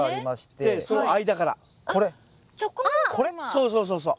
そうそうそうそう。